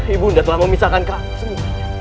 ibu anda telah memisahkan kamu